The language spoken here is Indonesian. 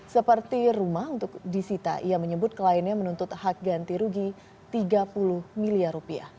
seperti rumah untuk disita ia menyebut kliennya menuntut hak ganti rugi rp tiga puluh miliar